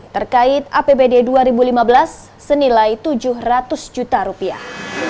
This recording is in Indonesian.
terkait apbd dua ribu lima belas senilai tujuh ratus juta rupiah